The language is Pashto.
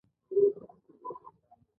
په پای کې مات شوی پفاندر له هندوستانه ووت.